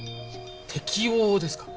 適応ですか？